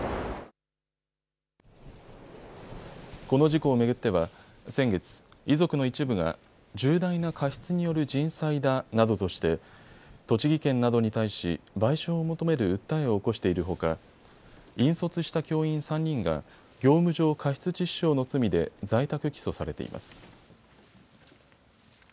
この事故を巡っては先月、遺族の一部が重大な過失による人災だなどとして栃木県などに対し賠償を求める訴えを起こしているほか引率した教員３人が業務上過失致死傷の罪で在宅起訴されています。